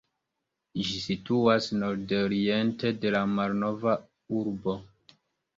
Ĝi situas nordoriente de la Malnova Urbo.